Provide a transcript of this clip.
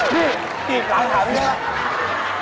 นี่กี่กลัวครับนี่ครับ